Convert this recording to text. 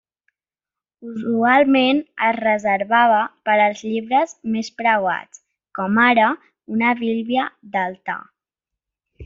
Usualment es reservava per als llibres més preuats, com ara una Bíblia d'altar.